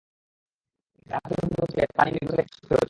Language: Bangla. এতে আধা কিলোমিটার দূর থেকে পানি এনে গৃহস্থালি কাজ করতে হচ্ছে।